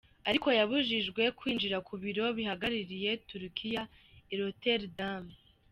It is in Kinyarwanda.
Ariko yabujijwe kwinjira ku biro bihagarariye Turukiya i Rotterdam.